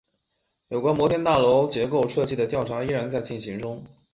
有关摩天大楼结构设计的调查依然在进行中。